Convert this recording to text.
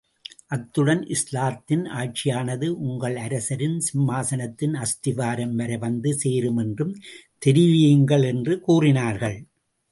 அத்துடன் இஸ்லாத்தின் ஆட்சியானது, உங்கள் அரசரின் சிம்மாசனத்தின் அஸ்திவாரம் வரை வந்து சேரும் என்றும் தெரிவியுங்கள், என்று கூறினார்கள்.